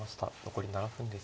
残り７分です。